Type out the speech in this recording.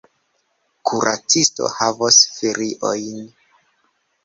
Kuracisto havos feriojn.